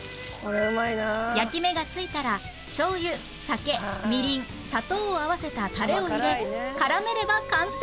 焼き目がついたらしょうゆ酒みりん砂糖を合わせたタレを入れ絡めれば完成